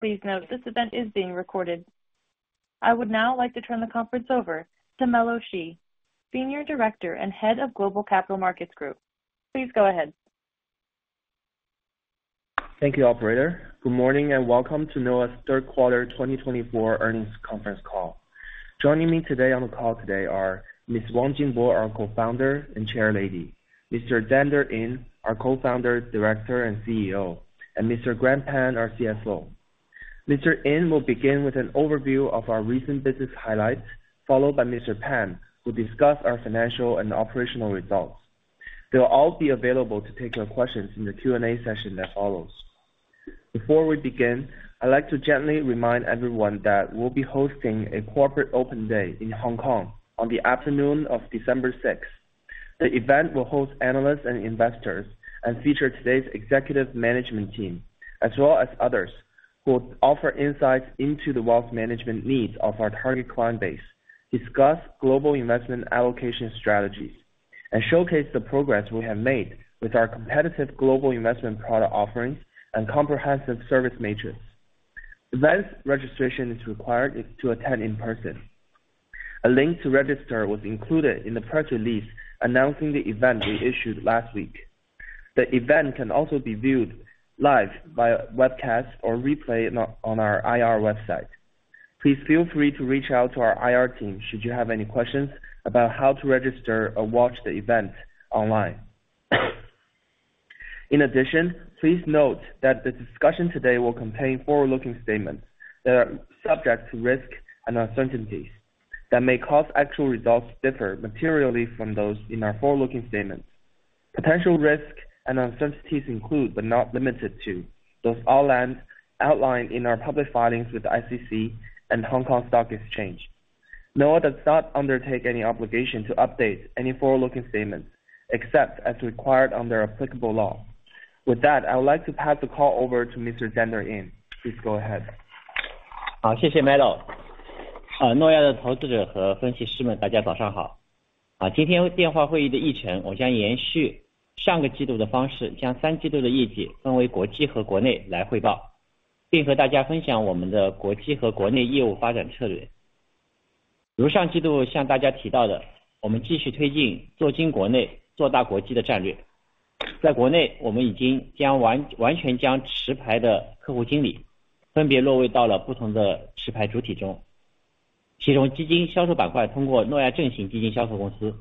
Please note this event is being recorded. I would now like to turn the conference over to Melo Xi, Senior Director and Head of Global Capital Markets Group. Please go ahead. Thank you, Operator. Good morning and welcome to Noah's Third Quarter 2024 Earnings Conference call. Joining me today on the call today are Ms. Wang Jingbo, our Co-Founder and Chairwoman, Mr. Zhe Yin, our Co-Founder, Director, and CEO, and Mr. Grant Pan, our CFO. Mr. Yin will begin with an overview of our recent business highlights, followed by Mr. Pan, who will discuss our financial and operational results. They'll all be available to take your questions in the Q&A session that follows. Before we begin, I'd like to gently remind everyone that we'll be hosting a Corporate Open Day in Hong Kong on the afternoon of December 6th. The event will host analysts and investors and feature today's executive management team, as well as others who will offer insights into the wealth management needs of our target client base, discuss global investment allocation strategies, and showcase the progress we have made with our competitive global investment product offerings and comprehensive service matrix. Advanced registration is required to attend in person. A link to register was included in the press release announcing the event we issued last week. The event can also be viewed live via webcast or replay on our IR website. Please feel free to reach out to our IR team should you have any questions about how to register or watch the event online. In addition, please note that the discussion today will contain forward-looking statements that are subject to risk and uncertainties that may cause actual results to differ materially from those in our forward-looking statements. Potential risks and uncertainties include, but are not limited to, those outlined in our public filings with the SEC and Hong Kong Stock Exchange. NOAH does not undertake any obligation to update any forward-looking statements except as required under applicable law. With that, I would like to pass the call over to Mr. Zhe Yin. Please go ahead. 谢谢 Melo。Noah 的投资者和分析师们，大家早上好。今天电话会议的议程我将延续上个季度的方式，将三季度的业绩分为国际和国内来汇报，并和大家分享我们的国际和国内业务发展策略。如上季度向大家提到的，我们继续推进做深国内，做大国际的战略。在国内，我们已经完全将持牌的客户经理分别落位到了不同的持牌主体中，其中基金销售板块通过 Noah Upright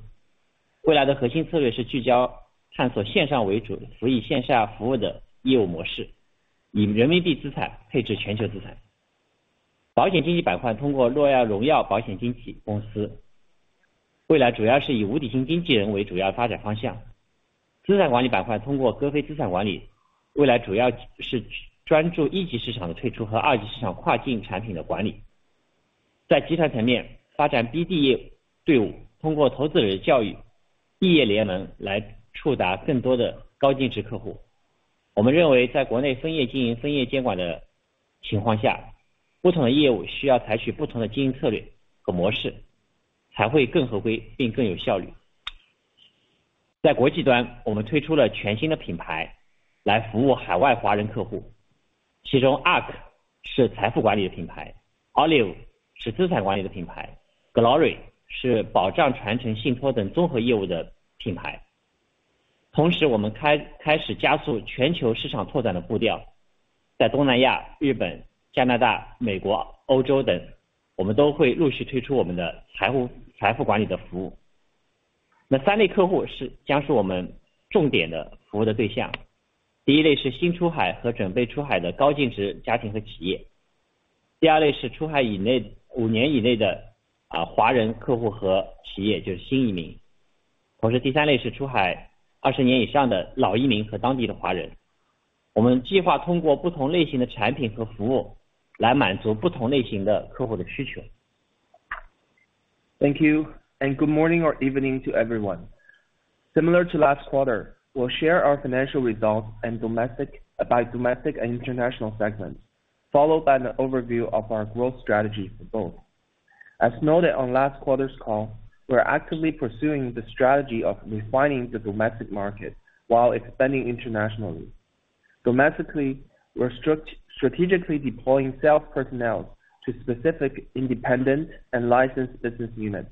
基金销售公司。未来的核心策略是聚焦探索线上为主，辅以线下服务的业务模式，以人民币资产配置全球资产。保险经纪板块通过 Noah 荣耀保险经纪公司，未来主要是以无底薪经纪人为主要发展方向。资产管理板块通过歌斐资产管理，未来主要是专注一级市场的退出和二级市场跨境产品的管理。在集团层面，发展 BD 业务，通过投资人教育、毕业联盟来触达更多的高净值客户。我们认为在国内分业经营、分业监管的情况下，不同的业务需要采取不同的经营策略和模式，才会更合规并更有效率。在国际端，我们推出了全新的品牌来服务海外华人客户，其中 ARK 是财富管理的品牌，Olive 是资产管理的品牌，Glory Thank you and good morning or evening to everyone. Similar to last quarter, we'll share our financial results by domestic and international segments, followed by an overview of our growth strategy for both. As noted on last quarter's call, we're actively pursuing the strategy of refining the domestic market while expanding internationally. Domestically, we're strategically deploying sales personnel to specific independent and licensed business units.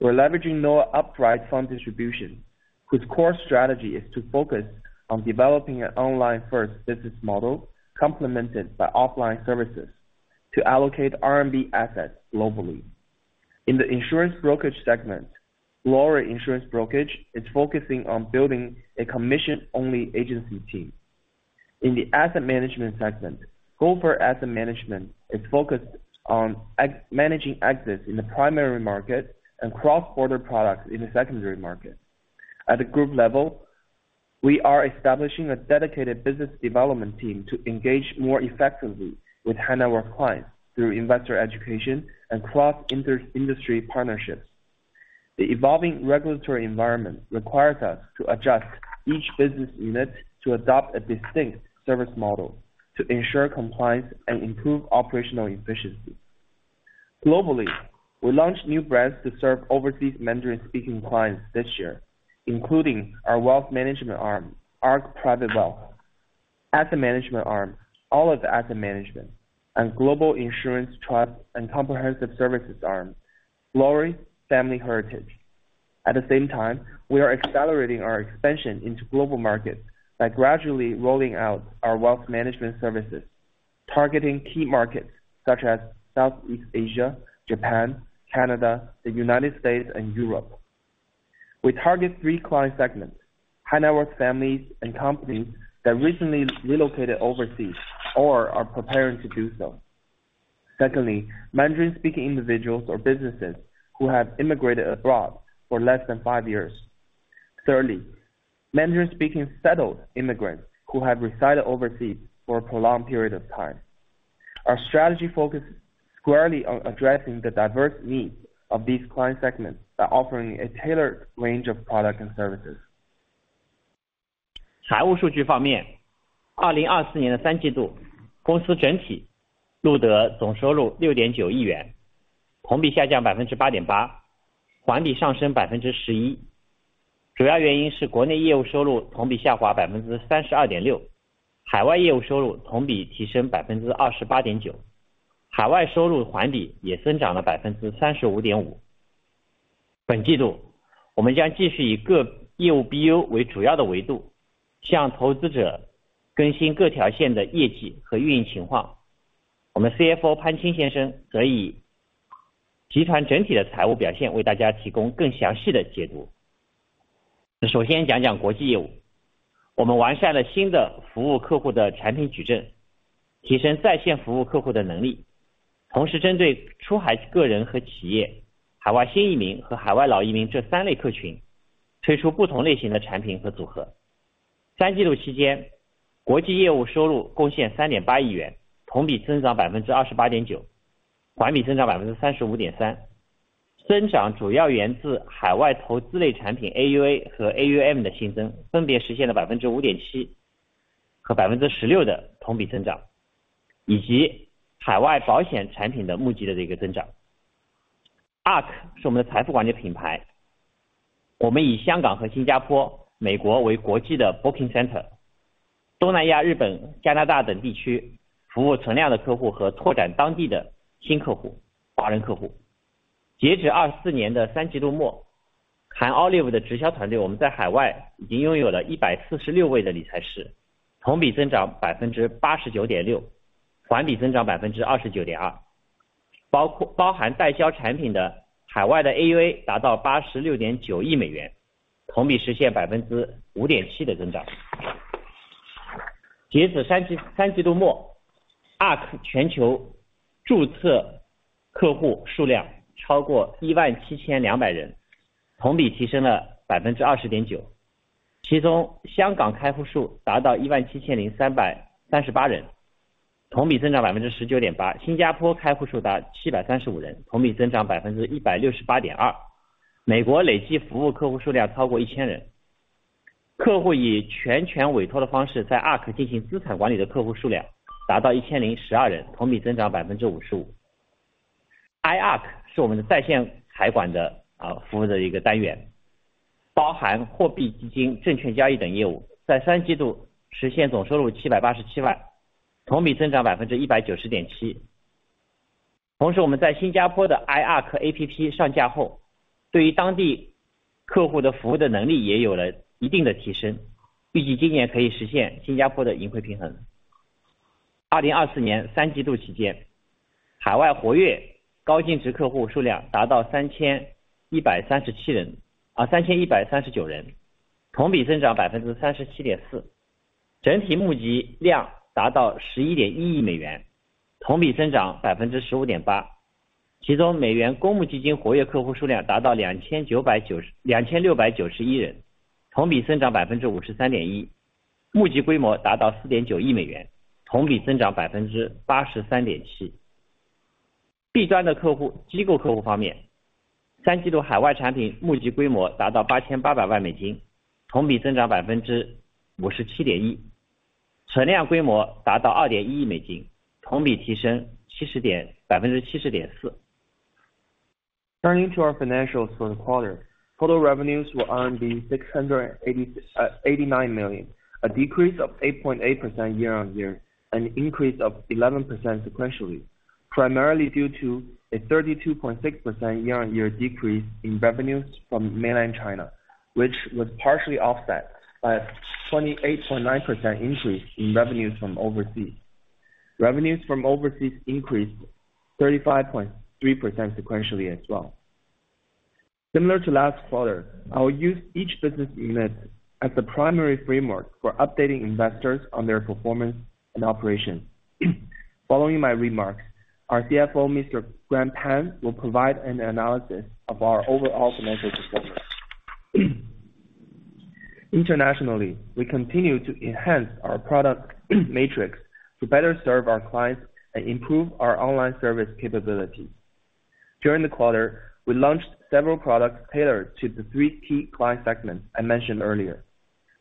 We're leveraging Noah Upright fund distribution, whose core strategy is to focus on developing an online-first business model complemented by offline services to allocate RMB assets globally. In the insurance brokerage segment, Glory Insurance Brokerage is focusing on building a commission-only agency team. In the asset management segment, Gopher Asset Management is focused on managing exits in the primary market and cross-border products in the secondary market. At the group level, we are establishing a dedicated business development team to engage more effectively with HNW clients through investor education and cross-industry partnerships. The evolving regulatory environment requires us to adjust each business unit to adopt a distinct service model to ensure compliance and improve operational efficiency. Globally, we launched new brands to serve overseas Mandarin-speaking clients this year, including our wealth management arm, Ark Private Wealth, asset management arm, Olive Asset Management, and Global Insurance Trust and Comprehensive Services arm, Glory Family Heritage. At the same time, we are accelerating our expansion into global markets by gradually rolling out our wealth management services, targeting key markets such as Southeast Asia, Japan, Canada, the United States, and Europe. We target three client segments: HNW families and companies that recently relocated overseas or are preparing to do so. Secondly, Mandarin-speaking individuals or businesses who have immigrated abroad for less than five years. Thirdly, Mandarin-speaking settled immigrants who have resided overseas for a prolonged period of time. Our strategy focuses squarely on addressing the diverse needs of these client segments by offering a tailored range of products and services. booking center，东南亚、日本、加拿大等地区服务存量的客户和拓展当地的新客户、华人客户。截止2024年的三季度末，含 Olive 的直销团队，我们在海外已经拥有了146位的理财师，同比增长89.6%，环比增长29.2%。包含代销产品的海外的 AUA 达到86.9亿美元，同比实现5.7%的增长。截止三季度末，ARK全球注册客户数量超过17,200人，同比提升了20.9%。其中香港开户数达到17,338人，同比增长19.8%；新加坡开户数达735人，同比增长168.2%；美国累计服务客户数量超过1,000人。客户以全权委托的方式在 ARK ARK APP Turning to our financials for the quarter, total revenues were 689 million, a decrease of 8.8% year on year and an increase of 11% sequentially, primarily due to a 32.6% year on year decrease in revenues from Mainland China, which was partially offset by a 28.9% increase in revenues from overseas. Revenues from overseas increased 35.3% sequentially as well. Similar to last quarter, I will use each business unit as the primary framework for updating investors on their performance and operations. Following my remarks, our CFO, Mr. Grant Pan, will provide an analysis of our overall financial performance. Internationally, we continue to enhance our product matrix to better serve our clients and improve our online service capabilities. During the quarter, we launched several products tailored to the three key client segments I mentioned earlier.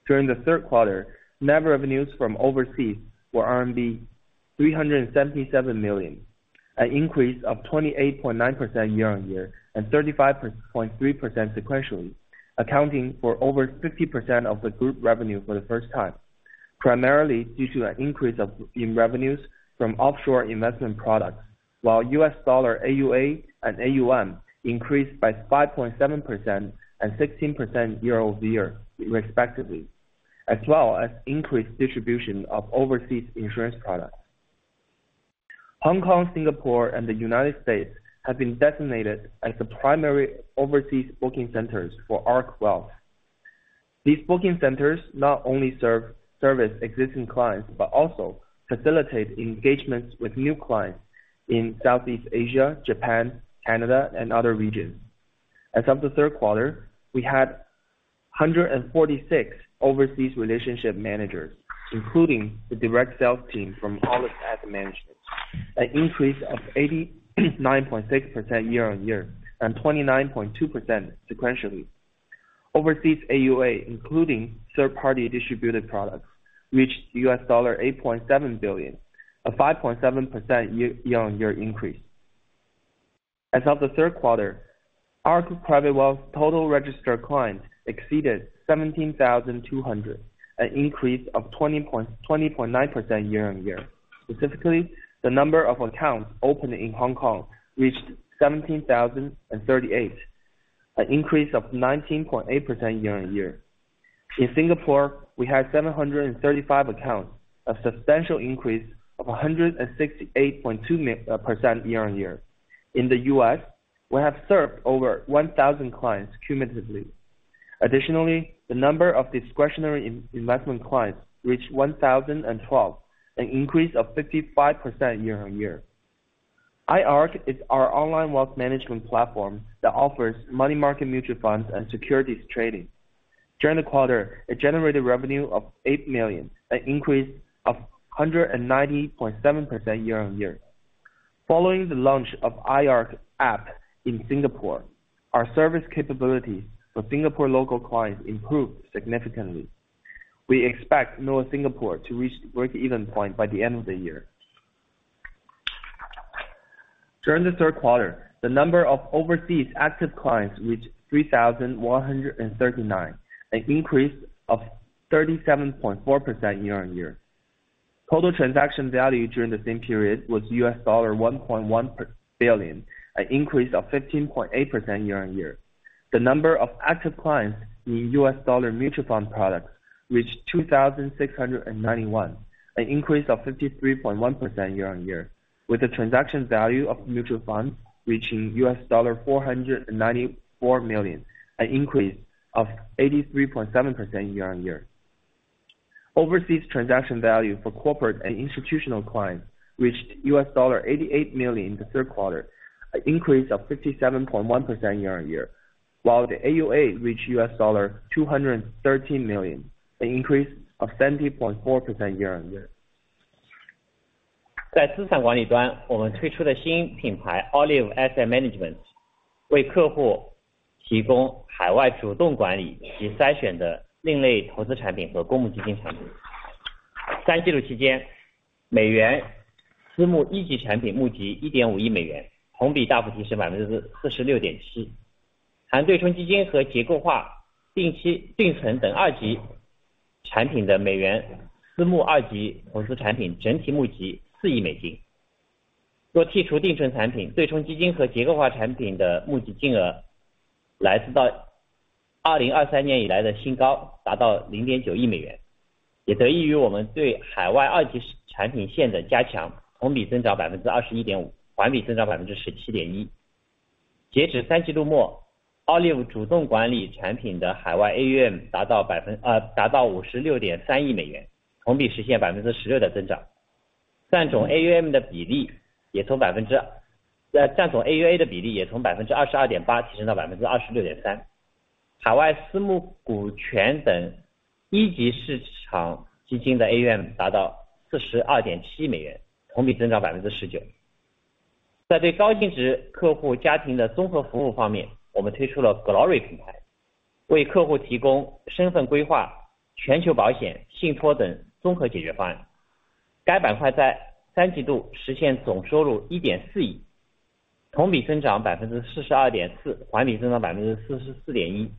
During the third quarter, net revenues from overseas were RMB 377 million, an increase of 28.9% year on year and 35.3% sequentially, accounting for over 50% of the group revenue for the first time, primarily due to an increase in revenues from offshore investment products, while USD AUA and AUM increased by 5.7% and 16% year over year respectively, as well as increased distribution of overseas insurance products. Hong Kong, Singapore, and the United States have been designated as the primary overseas booking centers for Ark Private Wealth. These booking centers not only serve existing clients but also facilitate engagements with new clients in Southeast Asia, Japan, Canada, and other regions. As of the third quarter, we had 146 overseas relationship managers, including the direct sales team from Olive Asset Management, an increase of 89.6% year on year and 29.2% sequentially. Overseas AUA, including third-party distributed products, reached $8.7 billion, a 5.7% year on year increase. As of the third quarter, Ark Private Wealth total registered clients exceeded 17,200, an increase of 20.9% year on year. Specifically, the number of accounts opened in Hong Kong reached 17,038, an increase of 19.8% year on year. In Singapore, we had 735 accounts, a substantial increase of 168.2% year on year. In the U.S., we have served over 1,000 clients cumulatively. Additionally, the number of discretionary investment clients reached 1,012, an increase of 55% year on year. Ark is our online wealth management platform that offers money market mutual funds and securities trading. During the quarter, it generated revenue of 8 million and an increase of 190.7% year on year. Following the launch of Ark App in Singapore, our service capabilities for Singapore local clients improved significantly. We expect our Singapore to reach break-even point by the end of the year. During the third quarter, the number of overseas active clients reached 3,139, an increase of 37.4% year on year. Total transaction value during the same period was $1.1 billion, an increase of 15.8% year on year. The number of active clients in US dollar mutual fund products reached 2,691, an increase of 53.1% year on year, with the transaction value of mutual funds reaching $494 million, an increase of 83.7% year on year. Overseas transaction value for corporate and institutional clients reached $88 million in the third quarter, an increase of 57.1% year on year, while the AUA reached $213 million, an increase of 70.4% year on year. 在资产管理端，我们推出的新品牌 Olive Asset Management AUM 达到56.3亿美元，同比实现16%的增长。占总 AUM 的比例也从占总 AUA 的比例也从22.8%提升到26.3%。海外私募股权等一级市场基金的 AUM 达到42.7亿美元，同比增长19%。在对高净值客户家庭的综合服务方面，我们推出了 Glory 品牌，为客户提供身份规划、全球保险、信托等综合解决方案。该板块在三季度实现总收入1.4亿，同比增长42.4%，环比增长44.1%。Glory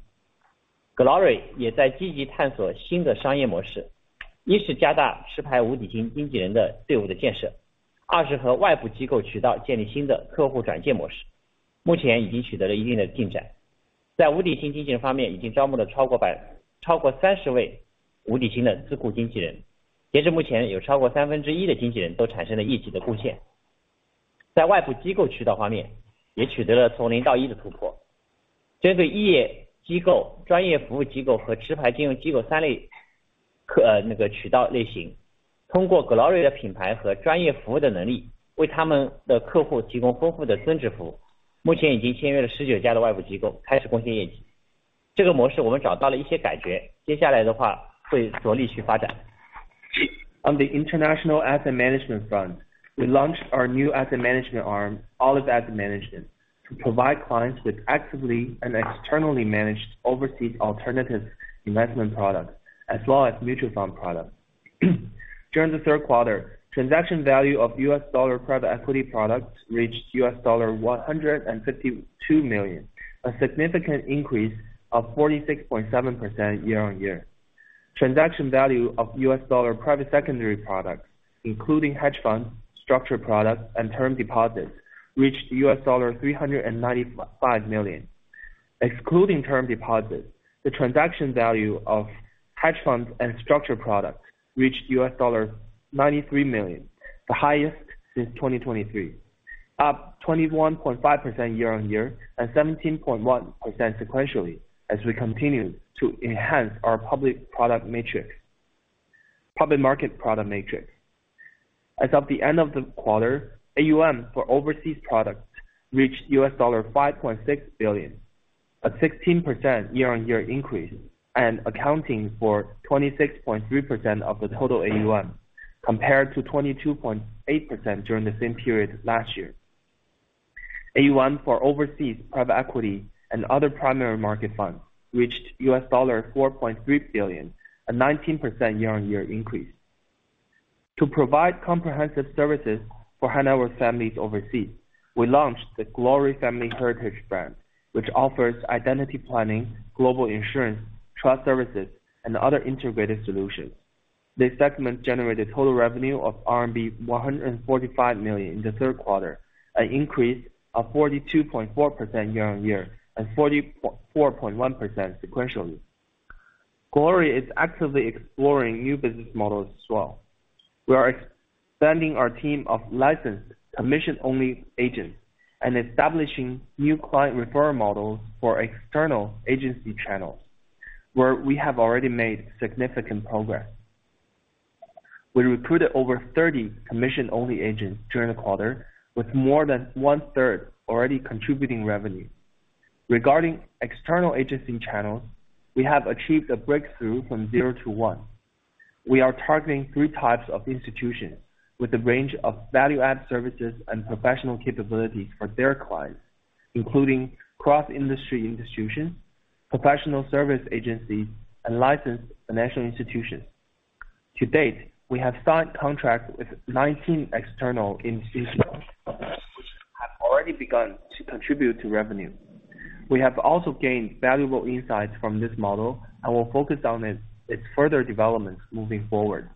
Glory 的品牌和专业服务的能力，为他们的客户提供丰富的增值服务。目前已经签约了19家的外部机构，开始贡献业绩。这个模式我们找到了一些感觉，接下来的话会着力去发展。On the international asset management front, we launched our new asset management arm, Olive Asset Management, to provide clients with actively and externally managed overseas alternative investment products, as well as mutual fund products. During the third quarter, transaction value of US dollar private equity products reached $152 million, a significant increase of 46.7% year on year. Transaction value of US dollar private secondary products, including hedge funds, structured products, and term deposits, reached $395 million. Excluding term deposits, the transaction value of hedge funds and structured products reached $93 million, the highest since 2023, up 21.5% year on year and 17.1% sequentially, as we continue to enhance our public product matrix, public market product matrix. As of the end of the quarter, AUM for overseas products reached $5.6 billion, a 16% year on year increase, and accounting for 26.3% of the total AUM, compared to 22.8% during the same period last year. AUM for overseas private equity and other primary market funds reached $4.3 billion, a 19% year on year increase. To provide comprehensive services for high-net-worth families overseas, we launched the Glory Family Heritage brand, which offers identity planning, global insurance, trust services, and other integrated solutions. This segment generated total revenue of RMB 145 million in the third quarter, an increase of 42.4% year on year and 44.1% sequentially. Glory is actively exploring new business models as well. We are expanding our team of licensed commission-only agents and establishing new client referral models for external agency channels, where we have already made significant progress. We recruited over 30 commission-only agents during the quarter, with more than one third already contributing revenue. Regarding external agency channels, we have achieved a breakthrough from zero to one. We are targeting three types of institutions with a range of value-add services and professional capabilities for their clients, including cross-industry institutions, professional service agencies, and licensed financial institutions. To date, we have signed contracts with 19 external institutions which have already begun to contribute to revenue. We have also gained valuable insights from this model and will focus on its further developments moving forward.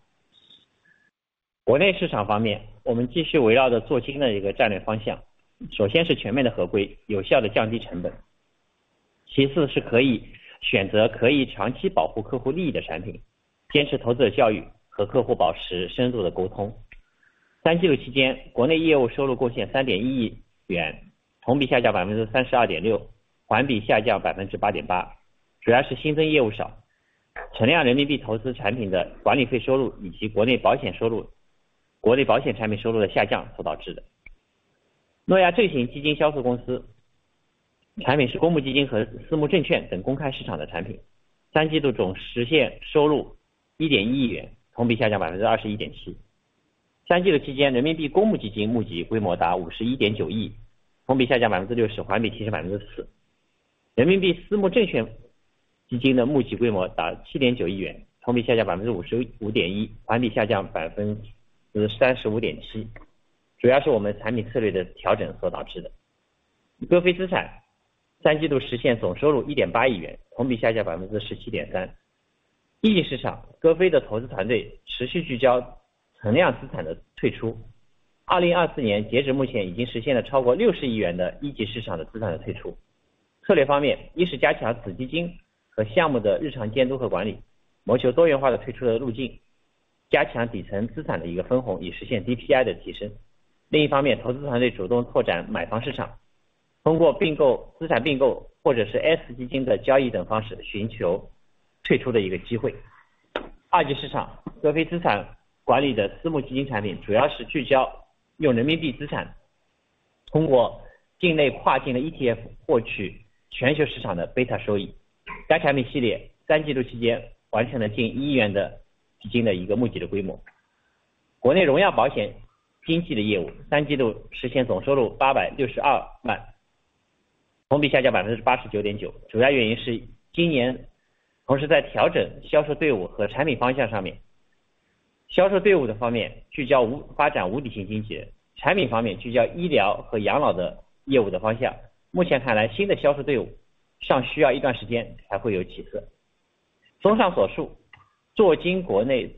Domestically,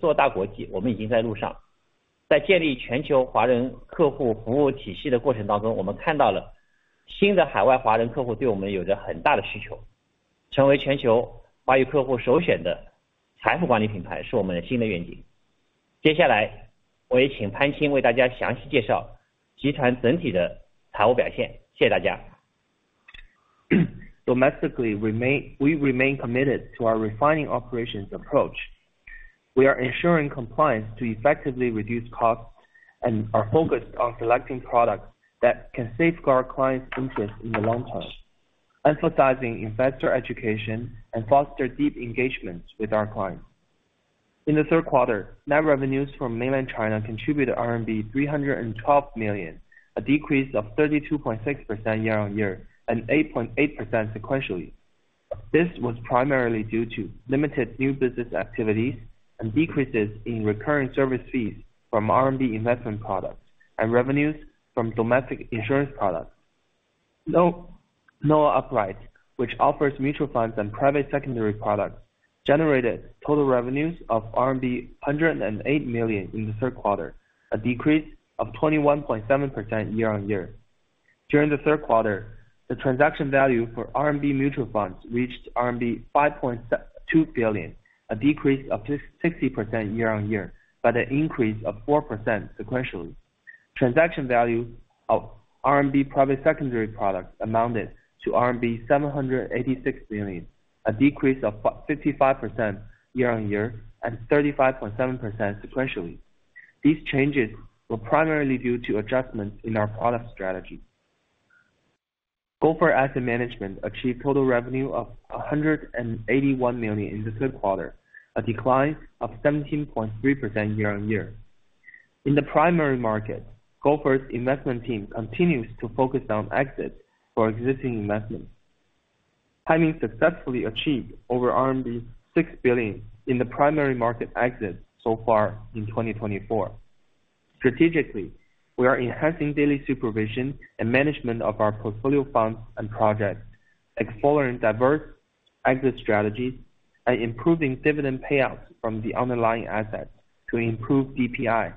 we remain committed to our refining operations approach. We are ensuring compliance to effectively reduce costs and are focused on selecting products that can safeguard clients' interests in the long term, emphasizing investor education and fostering deep engagement with our clients. In the third quarter, net revenues from Mainland China contributed RMB 312 million, a decrease of 32.6% year on year and 8.8% sequentially. This was primarily due to limited new business activities and decreases in recurring service fees from RMB investment products and revenues from domestic insurance products. Noah Upright, which offers mutual funds and private securities, generated total revenues of RMB 108 million in the third quarter, a decrease of 21.7% year on year. During the third quarter, the transaction value for RMB mutual funds reached RMB 5.2 billion, a decrease of 60% year on year, but an increase of 4% sequentially. Transaction value of RMB private securities amounted to RMB 786 million, a decrease of 55% year on year and 35.7% sequentially. These changes were primarily due to adjustments in our product strategy. Gopher Asset Management achieved total revenue of 181 million in the third quarter, a decline of 17.3% year on year. In the primary market, Gopher's investment team continues to focus on exit for existing investments, having successfully achieved over RMB 6 billion in the primary market exit so far in 2024. Strategically, we are enhancing daily supervision and management of our portfolio funds and projects, exploring diverse exit strategies, and improving dividend payouts from the underlying assets to improve DPI.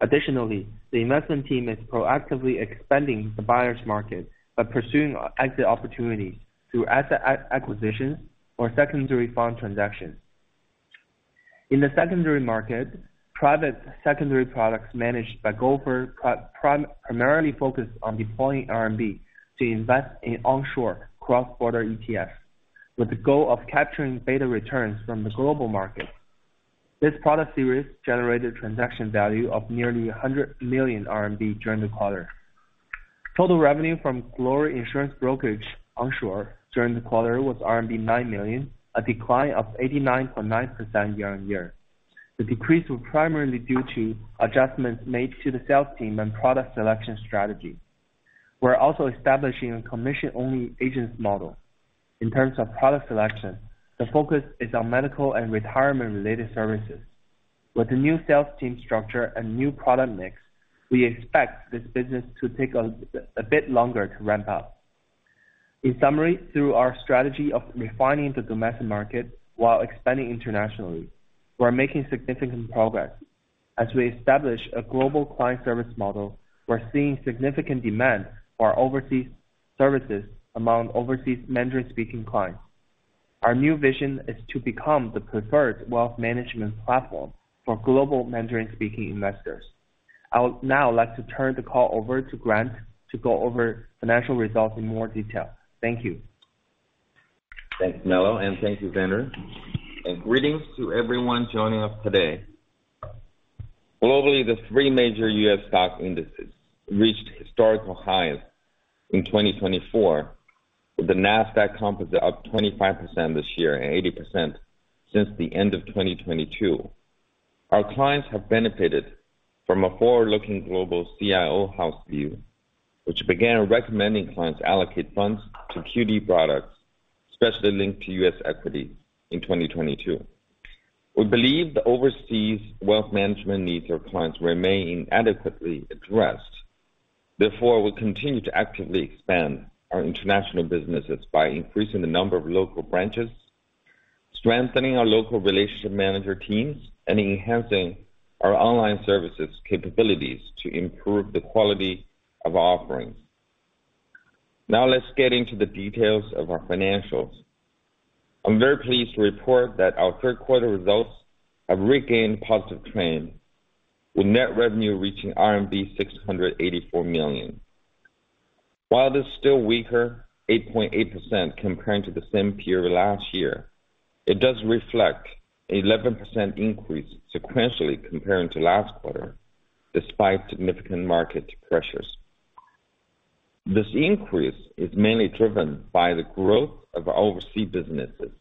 Additionally, the investment team is proactively expanding the buyer's market by pursuing exit opportunities through asset acquisitions or secondary fund transactions. In the secondary market, private secondary products managed by Gopher primarily focus on deploying RMB to invest in onshore cross-border ETFs, with the goal of capturing beta returns from the global market. This product series generated transaction value of nearly 100 million RMB during the quarter. Total revenue from Glory Insurance Brokerage onshore during the quarter was RMB 9 million, a decline of 89.9% year on year. The decrease was primarily due to adjustments made to the sales team and product selection strategy. We're also establishing a commission-only agents model. In terms of product selection, the focus is on medical and retirement-related services. With the new sales team structure and new product mix, we expect this business to take a bit longer to ramp up. In summary, through our strategy of refining the domestic market while expanding internationally, we're making significant progress. As we establish a global client service model, we're seeing significant demand for our overseas services among overseas Mandarin-speaking clients. Our new vision is to become the preferred wealth management platform for global Mandarin-speaking investors. I would now like to turn the call over to Grant to go over financial results in more detail. Thank you. Thank you, Melo, and thank you, Vener. Greetings to everyone joining us today. Globally, the three major U.S. stock indices reached historical highs in 2024, with the NASDAQ composite up 25% this year and 80% since the end of 2022. Our clients have benefited from a forward-looking global CIO House View, which began recommending clients allocate funds to QD products, especially linked to U.S. equities in 2022. We believe the overseas wealth management needs of clients remain inadequately addressed. Therefore, we'll continue to actively expand our international businesses by increasing the number of local branches, strengthening our local relationship manager teams, and enhancing our online services capabilities to improve the quality of our offerings. Now, let's get into the details of our financials. I'm very pleased to report that our third quarter results have regained positive trend, with net revenue reaching RMB 684 million. While this is still weaker, 8.8% compared to the same period last year, it does reflect an 11% increase sequentially compared to last quarter, despite significant market pressures. This increase is mainly driven by the growth of our overseas businesses.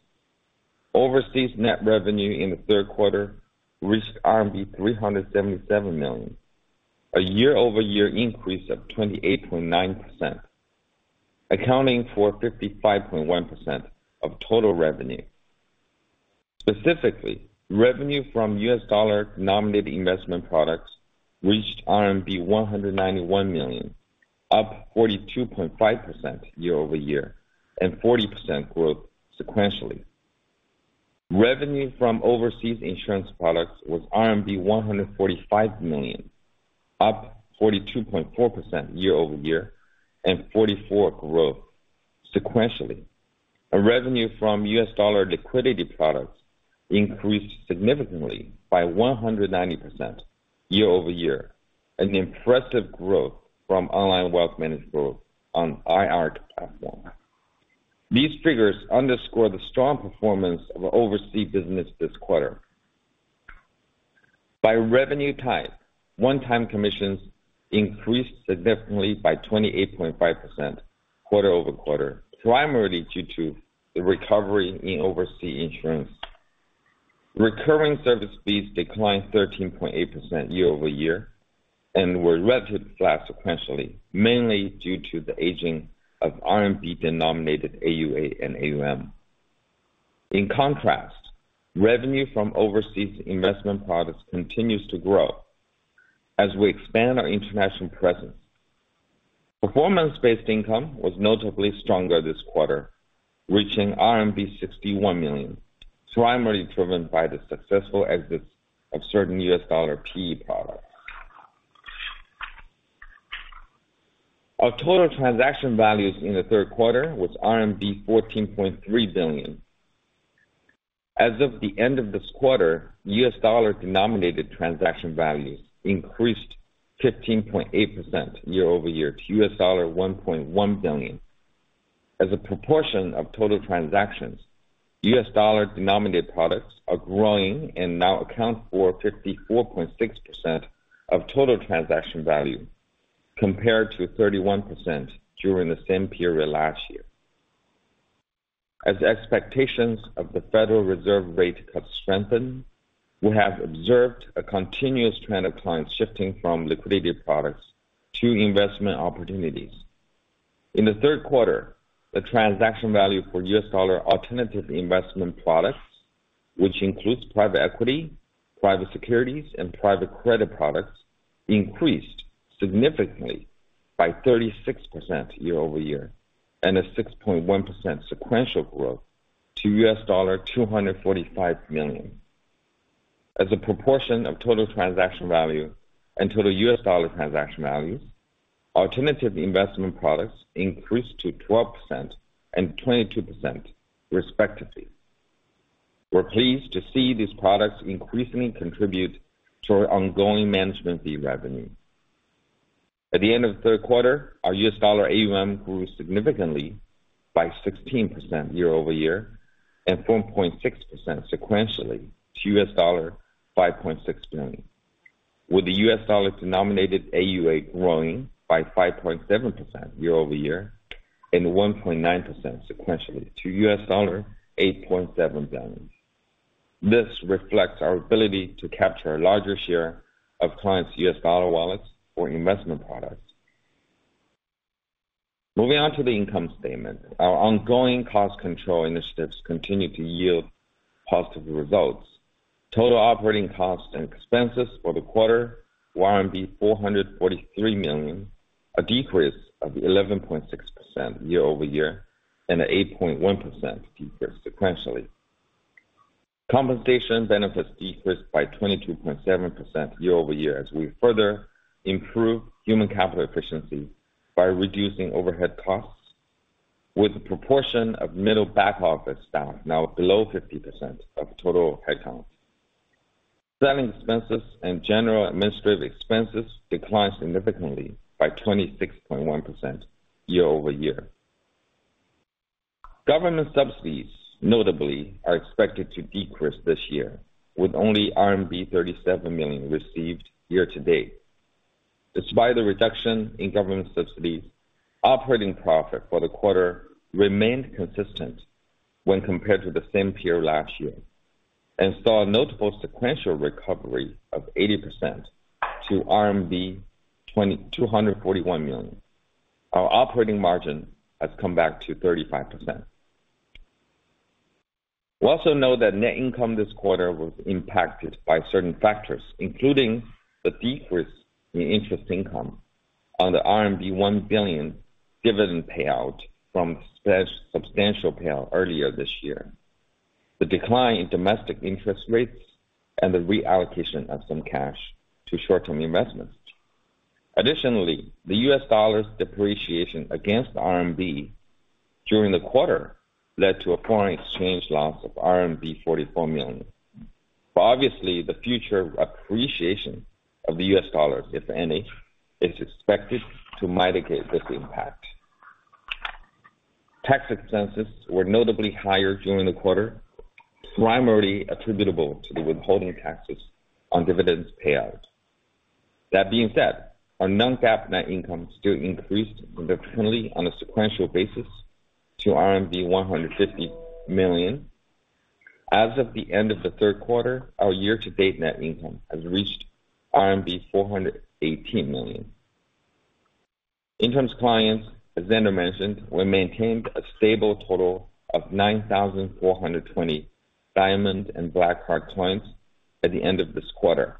Overseas net revenue in the third quarter reached RMB 377 million, a year-over-year increase of 28.9%, accounting for 55.1% of total revenue. Specifically, revenue from US dollar denominated investment products reached RMB 191 million, up 42.5% year over year, and 40% growth sequentially. Revenue from overseas insurance products was RMB 145 million, up 42.4% year over year, and 44% growth sequentially. Revenue from US dollar liquidity products increased significantly by 190% year over year, an impressive growth from online wealth management growth on Ark platform. These figures underscore the strong performance of overseas business this quarter. By revenue type, one-time commissions increased significantly by 28.5% quarter over quarter, primarily due to the recovery in overseas insurance. Recurring service fees declined 13.8% year over year and were relatively flat sequentially, mainly due to the aging of RMB denominated AUA and AUM. In contrast, revenue from overseas investment products continues to grow as we expand our international presence. Performance-based income was notably stronger this quarter, reaching RMB 61 million, primarily driven by the successful exits of certain US dollar PE products. Our total transaction values in the third quarter were RMB 14.3 billion. As of the end of this quarter, US dollar denominated transaction values increased 15.8% year over year to $1.1 billion. As a proportion of total transactions, US dollar denominated products are growing and now account for 54.6% of total transaction value compared to 31% during the same period last year. As expectations of the Federal Reserve rate cuts strengthen, we have observed a continuous trend of clients shifting from liquidity products to investment opportunities. In the third quarter, the transaction value for U.S. dollar alternative investment products, which includes private equity, private securities, and private credit products, increased significantly by 36% year over year and a 6.1% sequential growth to $245 million. As a proportion of total transaction value and total U.S. dollar transaction values, alternative investment products increased to 12% and 22% respectively. We're pleased to see these products increasingly contribute to our ongoing management fee revenue. At the end of the third quarter, our U.S. dollar AUM grew significantly by 16% year over year and 4.6% sequentially to $5.6 billion, with the U.S. dollar-denominated AUA growing by 5.7% year over year and 1.9% sequentially to $8.7 billion. This reflects our ability to capture a larger share of clients' US dollar wallets for investment products. Moving on to the income statement, our ongoing cost control initiatives continue to yield positive results. Total operating costs and expenses for the quarter were 443 million, a decrease of 11.6% year over year and an 8.1% decrease sequentially. Compensation benefits decreased by 22.7% year over year as we further improved human capital efficiency by reducing overhead costs, with a proportion of middle back office staff now below 50% of total headcount. Selling expenses and general administrative expenses declined significantly by 26.1% year over year. Government subsidies, notably, are expected to decrease this year, with only RMB 37 million received year to date. Despite the reduction in government subsidies, operating profit for the quarter remained consistent when compared to the same period last year and saw a notable sequential recovery of 80% to 241 million. Our operating margin has come back to 35%. We also know that net income this quarter was impacted by certain factors, including the decrease in interest income on the RMB 1 billion dividend payout from substantial payout earlier this year, the decline in domestic interest rates, and the reallocation of some cash to short-term investments. Additionally, the US dollar's depreciation against RMB during the quarter led to a foreign exchange loss of RMB 44 million. But obviously, the future appreciation of the US dollars, if any, is expected to mitigate this impact. Tax expenses were notably higher during the quarter, primarily attributable to the withholding taxes on dividends payout. That being said, our non-GAAP net income still increased significantly on a sequential basis to RMB 150 million. As of the end of the third quarter, our year-to-date net income has reached RMB 418 million. In terms of clients, as Vener mentioned, we maintained a stable total of 9,420 Diamond and Black Card clients at the end of this quarter.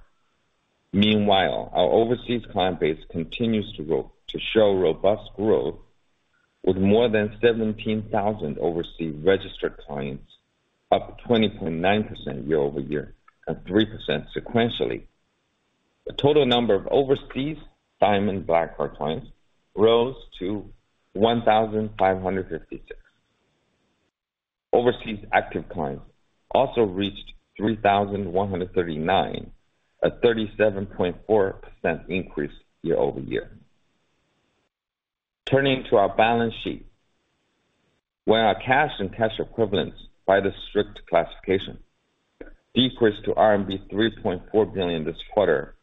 Meanwhile, our overseas client base continues to show robust growth, with more than 17,000 overseas registered clients, up 20.9% year over year and 3% sequentially. The total number of overseas Diamond and Black Card clients rose to 1,556. Overseas active clients also reached 3,139, a 37.4% increase year over year. Turning to our balance sheet, when our cash and cash equivalents by the strict classification decreased to RMB 3.4 billion this quarter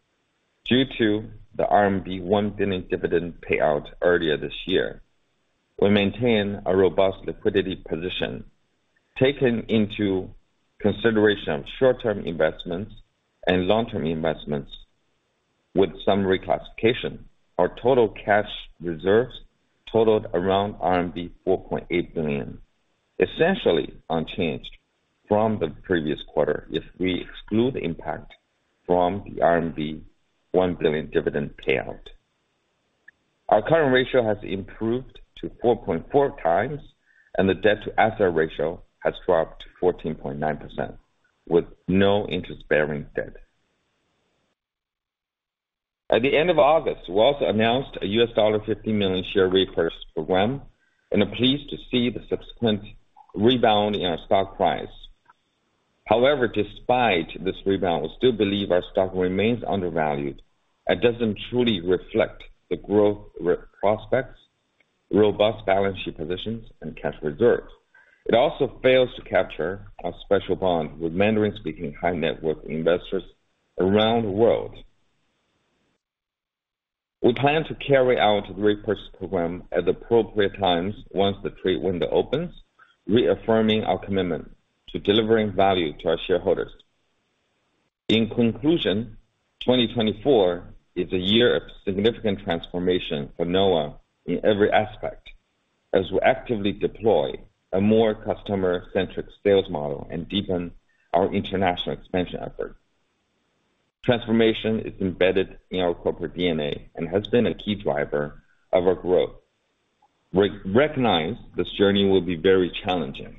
due to the RMB 1 billion dividend payout earlier this year, we maintain a robust liquidity position. Taking into consideration of short-term investments and long-term investments with some reclassification, our total cash reserves totaled around RMB 4.8 billion, essentially unchanged from the previous quarter if we exclude the impact from the RMB 1 billion dividend payout. Our current ratio has improved to 4.4 times, and the debt-to-asset ratio has dropped to 14.9%, with no interest-bearing debt. At the end of August, we also announced a $50 million share repurchase program and are pleased to see the subsequent rebound in our stock price. However, despite this rebound, we still believe our stock remains undervalued and doesn't truly reflect the growth prospects, robust balance sheet positions, and cash reserves. It also fails to capture our special bond with Mandarin-speaking high-net-worth investors around the world. We plan to carry out the repurchase program at appropriate times once the trade window opens, reaffirming our commitment to delivering value to our shareholders. In conclusion, 2024 is a year of significant transformation for NOAH in every aspect, as we actively deploy a more customer-centric sales model and deepen our international expansion efforts. Transformation is embedded in our corporate DNA and has been a key driver of our growth. We recognize this journey will be very challenging,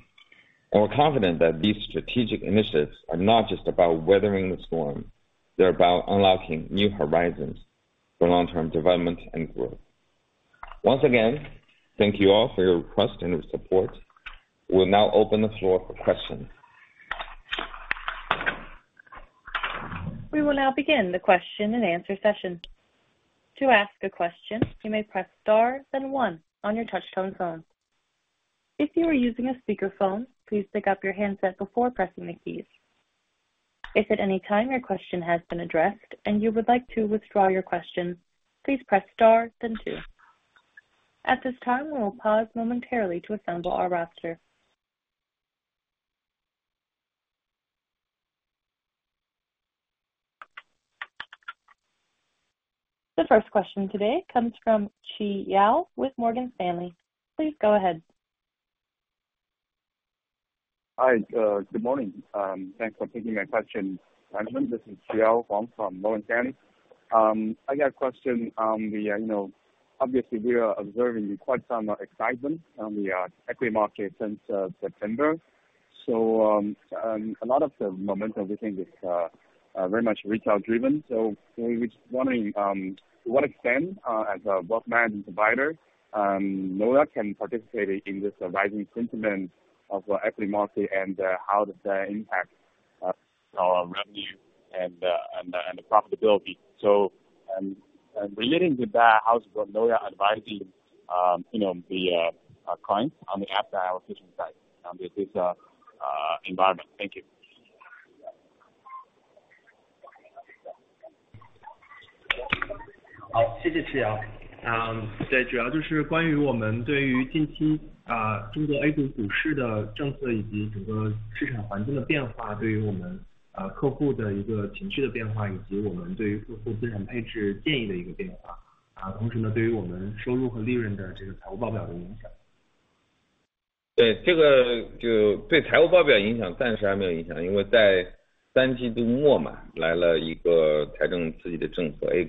and we're confident that these strategic initiatives are not just about weathering the storm. They're about unlocking new horizons for long-term development and growth. Once again, thank you all for your trust and your support. We'll now open the floor for questions. We will now begin the question and answer session. To ask a question, you may press star then one on your touch-tone phone. If you are using a speakerphone, please pick up your handset before pressing the keys. If at any time your question has been addressed and you would like to withdraw your question, please press star then two. At this time, we will pause momentarily to assemble our roster. The first question today comes from Chiyao with Morgan Stanley. Please go ahead. Hi, good morning. Thanks for taking my question, gentlemen. This is Chiyao from Morgan Stanley. I got a question. Obviously, we are observing quite some excitement on the equity market since September. So a lot of the momentum, we think, is very much retail-driven. So we're just wondering to what extent, as a wealth management provider, NOAH can participate in this rising sentiment of equity market and how does that impact our revenue and the profitability. So relating to that, how's NOAH advising the clients on the asset allocation side in this environment? Thank you. 好，谢谢 Chiyao。对，主要就是关于我们对于近期中国 A 股股市的政策以及整个市场环境的变化，对于我们客户的一个情绪的变化，以及我们对于客户资产配置建议的一个变化。同时对于我们收入和利润的财务报表的影响。对，这个对财务报表影响暂时还没有影响，因为在三季度末来了一个财政刺激的政策，A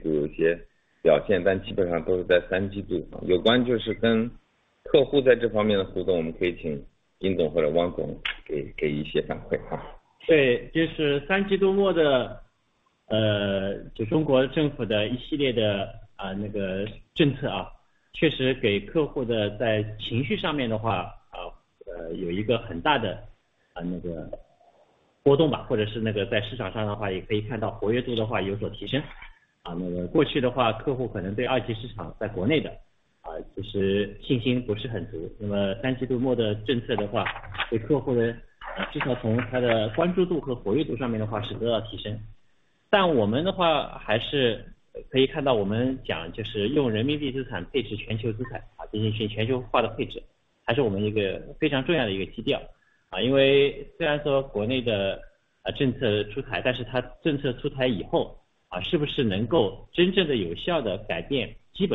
CIO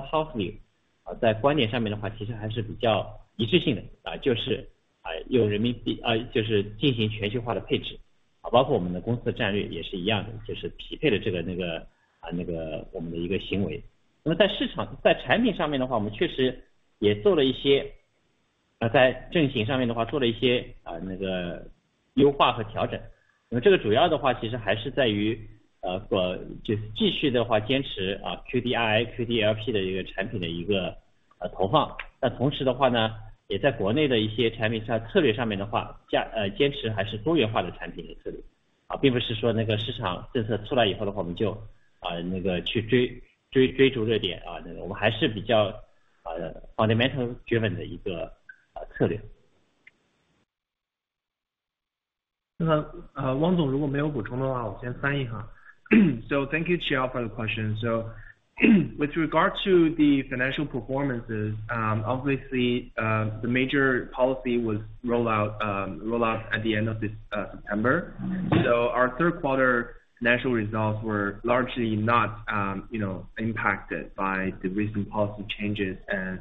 House View fundamental driven 的一个策略。那么汪总如果没有补充的话，我先翻译。So thank you, Chiyao, for the question. So with regard to the financial performances, obviously the major policy was rolled out at the end of September. So our third quarter financial results were largely not impacted by the recent policy changes and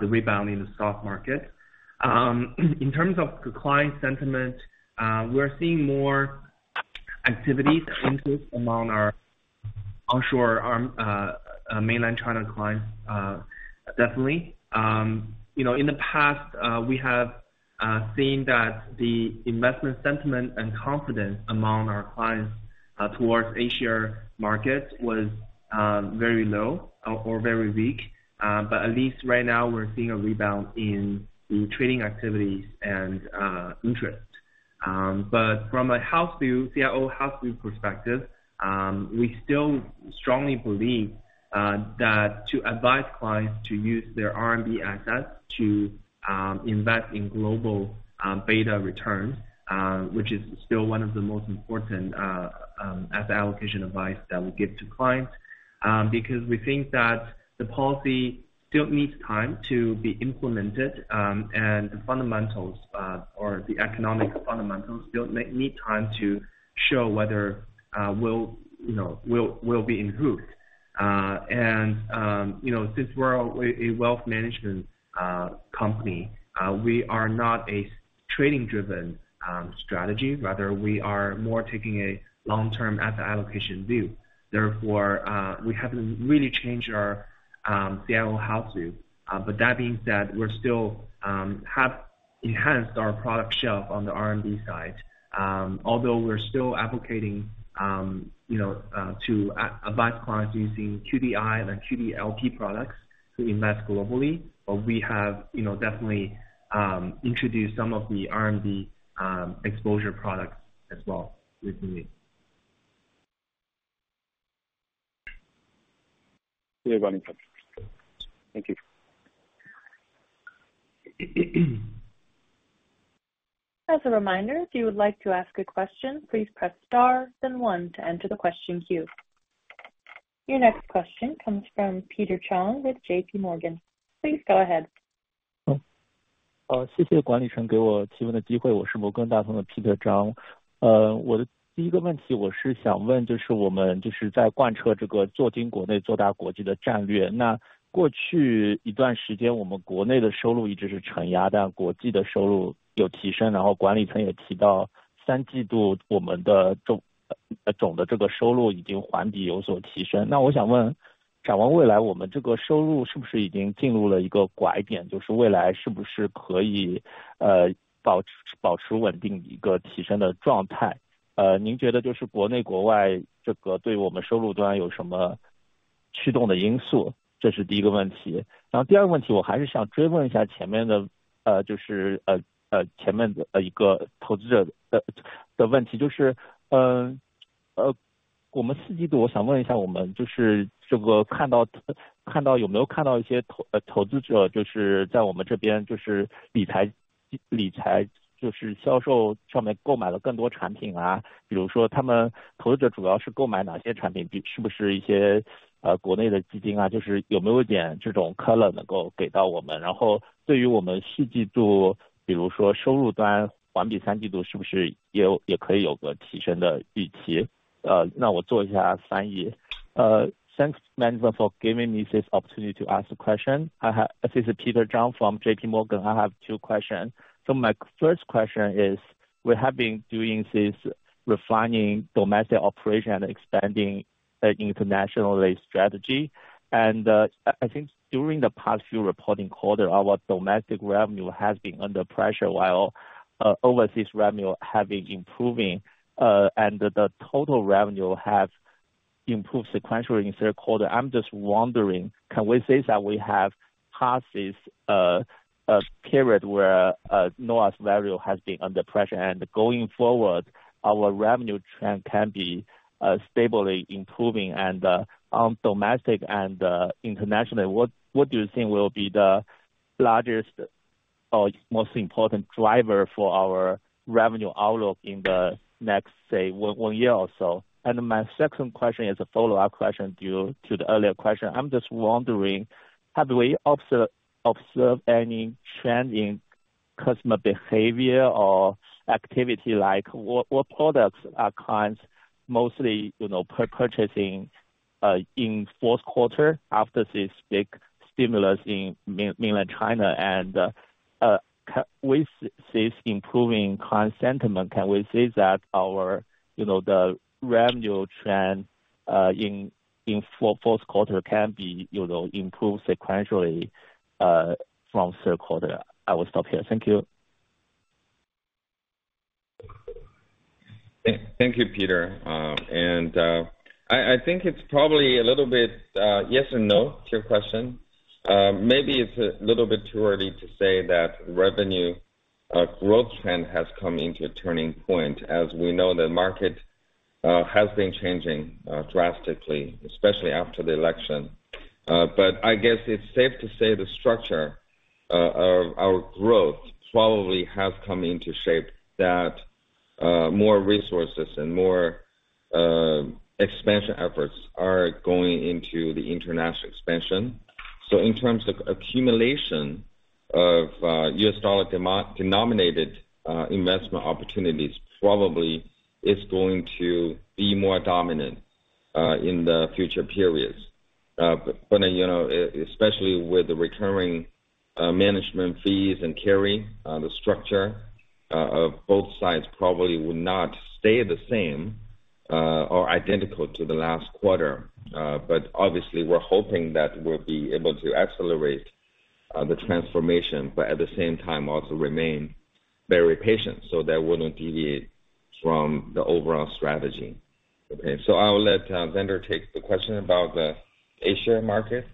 the rebound in the stock market. In terms of client sentiment, we're seeing more activity and interest among our onshore Mainland China clients, definitely. In the past, we have seen that the investment sentiment and confidence among our clients towards Asia markets was very low or very weak. But at least right now we're seeing a rebound in the trading activities and interest. But from a CIO House view perspective, we still strongly believe that to advise clients to use their RMB assets to invest in global beta returns, which is still one of the most important asset allocation advice that we give to clients, because we think that the policy still needs time to be implemented and the fundamentals or the economic fundamentals still need time to show whether we'll be improved. And since we're a wealth management company, we are not a trading-driven strategy. Rather, we are more taking a long-term asset allocation view. Therefore, we haven't really changed our CIO House view. But that being said, we still have enhanced our product shelf on the RMB side. Although we're still advocating to advise clients using QDII and QDLP products to invest globally, but we have definitely introduced some of the RMB exposure products as well within it. Thank you. As a reminder, if you would like to ask a question, please press star then one to enter the question queue. Your next question comes from Peter Zhan with J.P. Morgan. Please go ahead. 谢谢管理层给我提问的机会。我是摩根大通的 Peter color 能够给到我们。然后对于我们四季度，比如说收入端环比三季度是不是也可以有个提升的预期？那我做一下翻译。Thanks, Management, for giving me this opportunity to ask the question. This is Peter Zhan from J.P. Morgan. I have two questions. So my first question is, we have been doing this refining domestic operation and expanding an internationally strategy. And I think during the past few reporting quarters, our domestic revenue has been under pressure while overseas revenue has been improving, and the total revenue has improved sequentially in third quarter. I'm just wondering, can we say that we have passed this period where NOAH's value has been under pressure, and going forward, our revenue trend can be stably improving on domestic and internationally? What do you think will be the largest or most important driver for our revenue outlook in the next, say, one year or so? And my second question is a follow-up question due to the earlier question. I'm just wondering, have we observed any trend in customer behavior or activity? What products are clients mostly purchasing in fourth quarter after this big stimulus in Mainland China? And with this improving client sentiment, can we say that the revenue trend in fourth quarter can be improved sequentially from third quarter? I will stop here. Thank you. Thank you, Peter. And I think it's probably a little bit yes and no to your question. Maybe it's a little bit too early to say that revenue growth trend has come into a turning point, as we know the market has been changing drastically, especially after the election. But I guess it's safe to say the structure of our growth probably has come into shape that more resources and more expansion efforts are going into the international expansion. So in terms of accumulation of US dollar-denominated investment opportunities, probably it's going to be more dominant in the future periods. But especially with the recurring management fees and carry, the structure of both sides probably will not stay the same or identical to the last quarter. But obviously, we're hoping that we'll be able to accelerate the transformation, but at the same time also remain very patient so that it wouldn't deviate from the overall strategy. Okay. So I'll let Zhe take the question about the Asia market.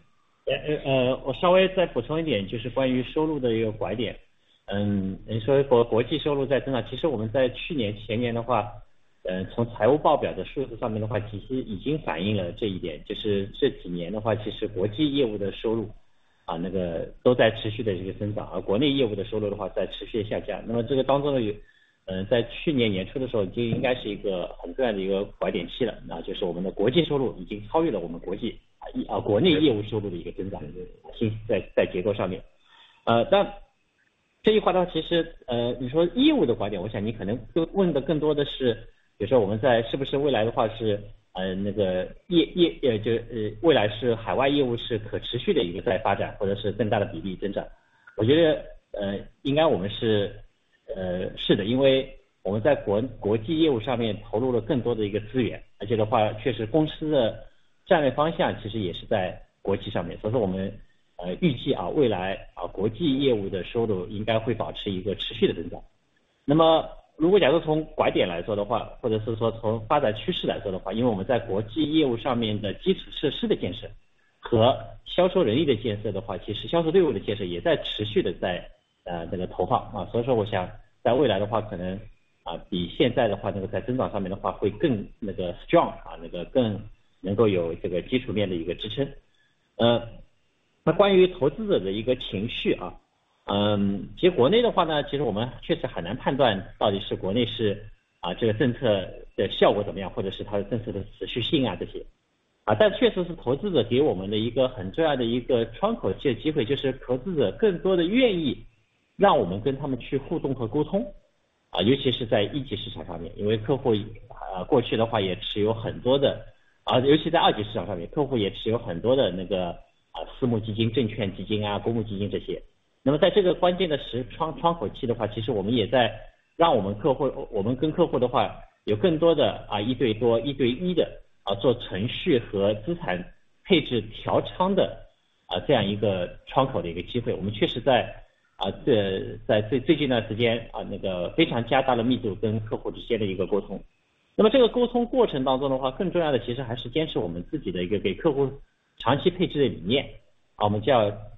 strong，更能够有基础面的一个支撑。那关于投资者的一个情绪，其实国内的话，其实我们确实很难判断到底是国内是这个政策的效果怎么样，或者是它的政策的持续性这些。但确实是投资者给我们的一个很重要的一个窗口机的机会，就是投资者更多的愿意让我们跟他们去互动和沟通，尤其是在一级市场上面。因为客户过去的话也持有很多的，尤其在二级市场上面，客户也持有很多的私募基金、证券基金、公募基金这些。那么在这个关键的窗口期的话，其实我们也在让我们客户，我们跟客户的话有更多的一对多、一对一的做程序和资产配置调仓的这样一个窗口的一个机会。我们确实在最近段时间非常加大了密度跟客户之间的一个沟通。那么这个沟通过程当中的话，更重要的其实还是坚持我们自己的一个给客户长期配置的理念，我们叫建安全垫、稳基本盘和投增长点。那么这个当中的话，其实我们给客户是整体来看的，就是建安全垫的话就是通过保险来帮客户的话进行保障。稳基本盘的话就是各种低风险的高流动性的一些产品和一些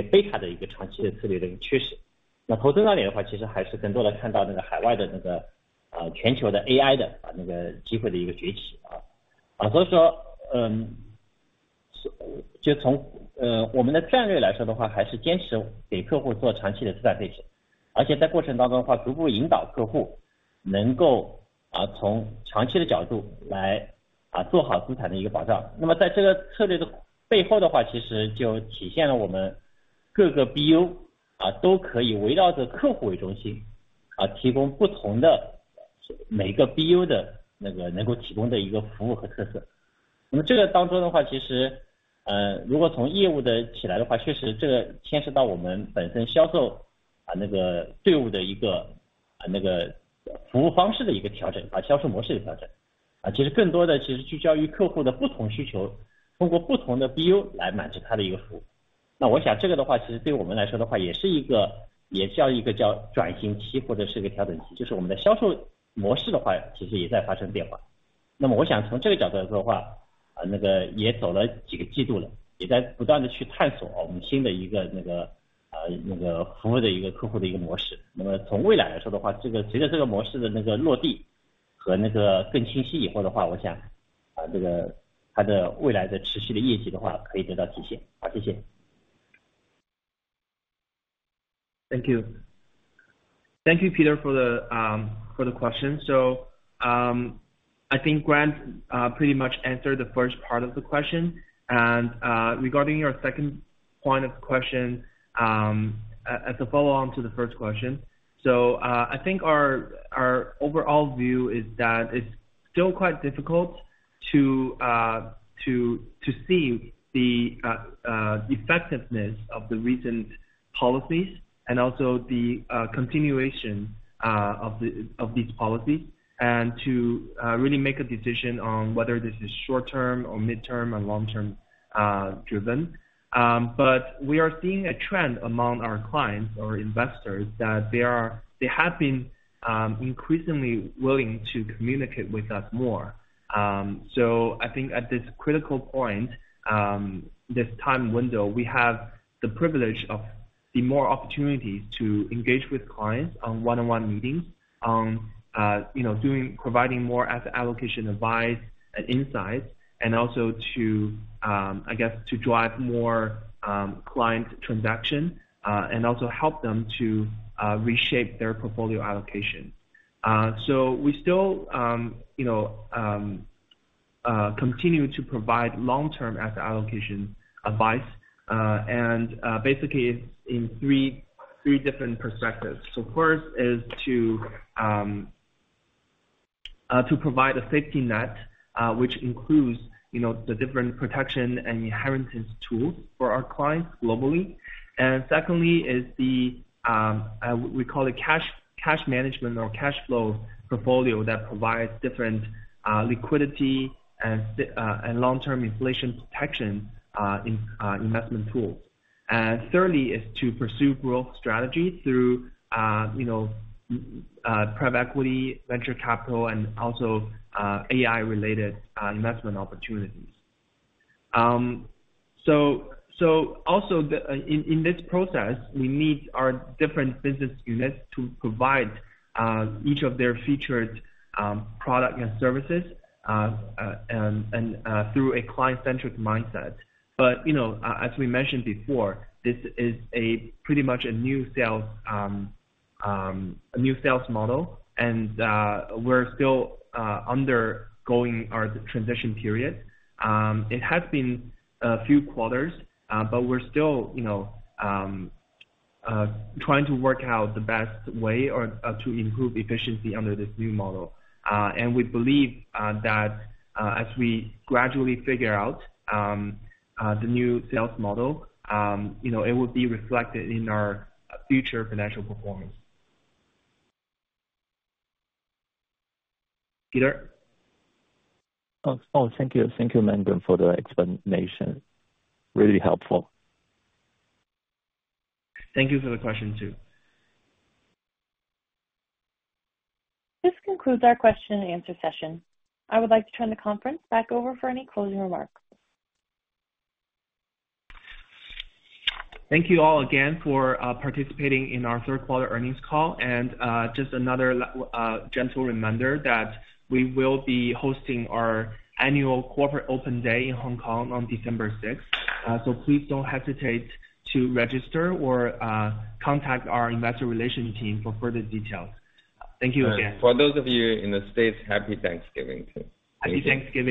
Beta 的一个长期的策略的一个趋势。投资那里的话其实还是更多的看到海外的全球的 AI 的机会的一个崛起。所以说就从我们的战略来说的话，还是坚持给客户做长期的资产配置，而且在过程当中的话逐步引导客户能够从长期的角度来做好资产的一个保障。那么在这个策略的背后的话，其实就体现了我们各个 BU 都可以围绕着客户为中心提供不同的每个 BU 的能够提供的一个服务和特色。那么这个当中的话，其实如果从业务的起来的话，确实这个牵涉到我们本身销售队伍的一个服务方式的一个调整，销售模式的调整，其实更多的其实聚焦于客户的不同需求，通过不同的 BU 来满足他的一个服务。那我想这个的话其实对我们来说的话也是一个也叫一个叫转型期或者是个调整期，就是我们的销售模式的话其实也在发生变化。那么我想从这个角度来说的话，也走了几个季度了，也在不断的去探索我们新的一个服务的一个客户的一个模式。那么从未来来说的话，随着这个模式的落地和更清晰以后的话，我想它的未来的持续的业绩的话可以得到体现。谢谢。Thank you. Thank you, Peter, for the question. So I think Grant pretty much answered the first part of the question. And regarding your second point of question, as a follow-on to the first question, so I think our overall view is that it's still quite difficult to see the effectiveness of the recent policies and also the continuation of these policies and to really make a decision on whether this is short-term or mid-term or long-term driven. But we are seeing a trend among our clients or investors that they have been increasingly willing to communicate with us more. So I think at this critical point, this time window, we have the privilege of the more opportunities to engage with clients on one-on-one meetings, on providing more asset allocation advice and insights, and also, I guess, to drive more client transaction and also help them to reshape their portfolio allocation. We still continue to provide long-term asset allocation advice and basically in three different perspectives. First is to provide a safety net which includes the different protection and inheritance tools for our clients globally. And secondly is the, we call it cash management or cash flow portfolio that provides different liquidity and long-term inflation protection investment tools. And thirdly is to pursue growth strategy through private equity, venture capital, and also AI-related investment opportunities. Also in this process, we need our different business units to provide each of their featured product and services through a client-centric mindset. But as we mentioned before, this is pretty much a new sales model, and we're still undergoing our transition period. It has been a few quarters, but we're still trying to work out the best way to improve efficiency under this new model. We believe that as we gradually figure out the new sales model, it will be reflected in our future financial performance. Peter? Oh, thank you. Thank you, Management, for the explanation. Really helpful. Thank you for the question too. This concludes our question-and-answer session. I would like to turn the conference back over for any closing remarks. Thank you all again for participating in our third quarter earnings call. And just another gentle reminder that we will be hosting our annual corporate open day in Hong Kong on December 6th. So please don't hesitate to register or contact our investor relations team for further details. Thank you again. For those of you in the States, Happy Thanksgiving too! Happy Thanksgiving.